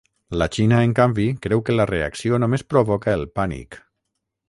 La Xina, en canvi, creu que la reacció només provoca el ‘pànic’.